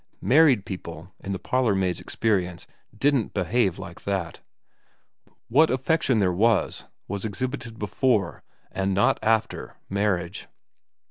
Married people in the parlourmaid's experience didn't behave like that. What affection there was was ex hibited before, and not after, marriage.